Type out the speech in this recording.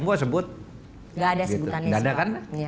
mau sebut tidak ada kan